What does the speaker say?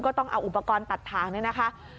ต้องเอาอุปกรณ์ตัดทางนี่นะคะ